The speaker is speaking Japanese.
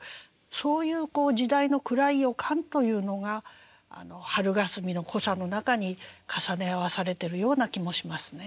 そういう時代の暗い予感というのが「春がすみ」の濃さの中に重ね合わされてるような気もしますね。